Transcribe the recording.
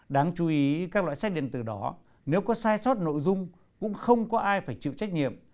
đáng chú ý các loại sách điện tử đó nếu có sai sót nội dung cũng không có ai phải chịu trách nhiệm